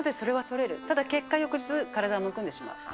けどただ結果、翌日、体むくんでしまう。